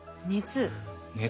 熱？